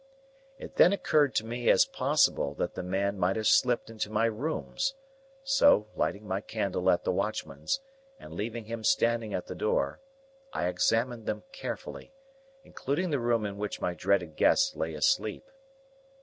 It then occurred to me as possible that the man might have slipped into my rooms; so, lighting my candle at the watchman's, and leaving him standing at the door, I examined them carefully, including the room in which my dreaded guest lay asleep.